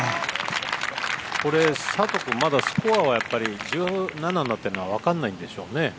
これ、佐藤君、まだスコアはやっぱり１７になってるのはわかんないんでしょうね。